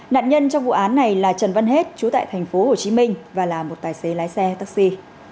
nạn nhân trong vụ án này là trần văn hết chú tại tp hồ chí minh và là một tài xế lái xe taxi